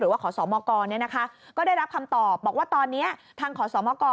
หรือว่าขอสอบมอกรนี้นะคะก็ได้รับคำตอบบอกว่าตอนนี้ทางขอสอบมอกร